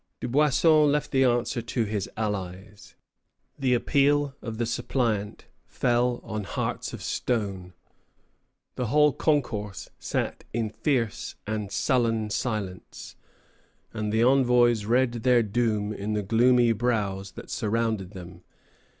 Dubuisson left the answer to his allies. The appeal of the suppliant fell on hearts of stone. The whole concourse sat in fierce and sullen silence, and the envoys read their doom in the gloomy brows that surrounded them.